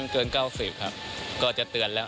เกิน๙๐ครับก็จะเตือนแล้ว